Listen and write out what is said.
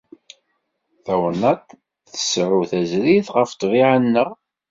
Tawennaṭ tseεεu tazrirt ɣef ṭṭbiεa-nneɣ.